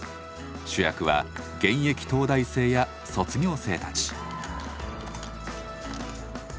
主役は現役東大生や卒業生たち。